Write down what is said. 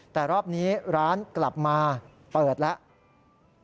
แต่รอบนี้ร้านกลับมาเปิดแล้ว